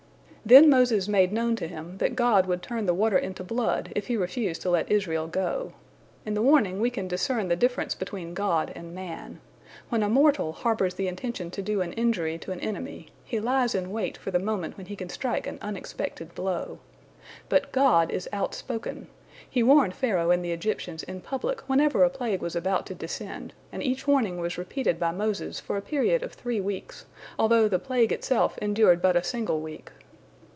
" Then Moses made known to him that God would turn the water into blood, if he refused to let Israel go. In the warning we can discern the difference between God and man. When a mortal harbors the intention to do an injury to an enemy, he lies in wait for the moment when he can strike an unexpected blow. But God is outspoken. He warned Pharaoh and the Egyptians in public whenever a plague was about to descend, and each warning was repeated by Moses for a period of three weeks, although the plague itself endured but a single week.